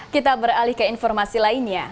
kita beralih ke informasi lainnya